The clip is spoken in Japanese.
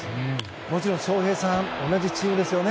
もちろん翔平さんも同じチームですね。